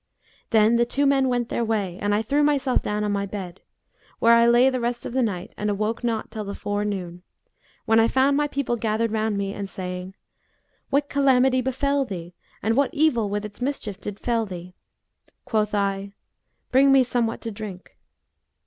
Then the two men went their way and I threw myself down on my bed, where I lay the rest of the night and awoke not till the forenoon, when I found my people gathered round me and saying, 'What calamity befel thee, and what evil with its mischief did fell thee?' Quoth I 'Bring me somewhat to drink.'